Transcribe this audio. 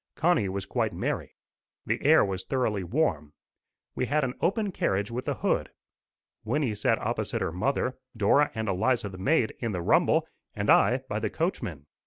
Connie was quite merry. The air was thoroughly warm. We had an open carriage with a hood. Wynnie sat opposite her mother, Dora and Eliza the maid in the rumble, and I by the coachman.